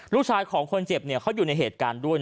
ลูกชายของคนเจ็บเขาอยู่ในเหตุการณ์ด้วย